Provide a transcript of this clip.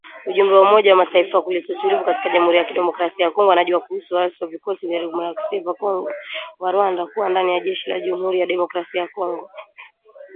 Ujumbe wa Umoja wa Mataifa wa kuleta utulivu katika Jamhuri ya Kidemokrasia ya Kongo wanajua kuhusu waasi wa Vikosi vya Kidemokrasia vya Ukombozi wa Rwanda kuwa ndani ya jeshi la Jamhuri ya kidemokrasia ya Kongo.